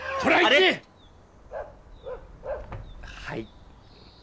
はい。